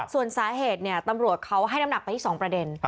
ส่วนสาเหตุตำรวจเขาให้น้ำหนักไปที่๒ประเด็น